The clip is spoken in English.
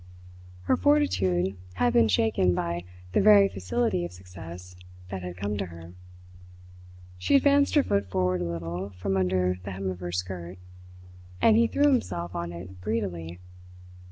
Her fortitude had been shaken by the very facility of success that had come to her. She advanced her foot forward a little from under the hem of her skirt; and he threw himself on it greedily.